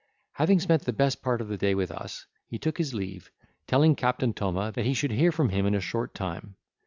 Having spent the best part of the day with us, he took his leave, telling Captain Thoma, that he should hear from him in a short time.